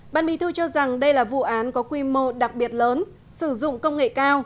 ban bí thư cho rằng đây là vụ án có quy mô đặc biệt lớn sử dụng công nghệ cao